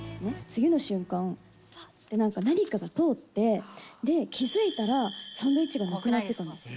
次の瞬間、あってなんか、何かが通って、で、気付いたら、サンドイッチがなくなってたんですよ。